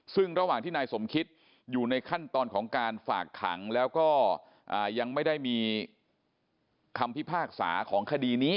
ซึ่งระหว่างที่นายสมคิดอยู่ในขั้นตอนของการฝากขังแล้วก็ยังไม่ได้มีคำพิพากษาของคดีนี้